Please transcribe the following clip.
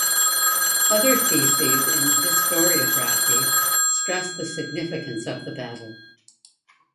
Other theses in the historiography stress the significance of the battle.